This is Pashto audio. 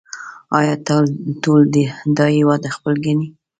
آیا ټول دا هیواد خپل ګڼي؟